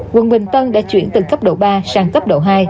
quận bình tân đã chuyển từ cấp độ ba sang cấp độ hai